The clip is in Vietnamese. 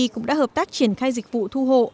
cũng đã hợp tác triển khai dịch vụ thu hộ